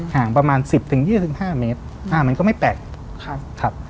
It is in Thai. ห่างประมาณ๑๐๒๕เมตรมันก็ไม่แปลก